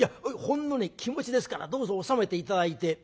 ほんのね気持ちですからどうぞ納めて頂いて」。